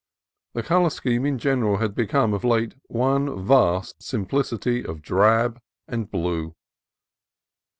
The color scheme in general had become of late one vast simplicity of drab and blue.